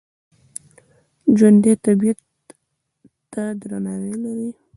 ژوندي طبیعت ته درناوی لري